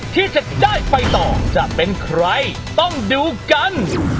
ที่จะได้ไปต่อจะเป็นใครต้องดูกัน